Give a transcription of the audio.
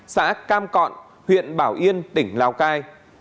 xã cam cọn huyện bảo yên tỉnh lào cai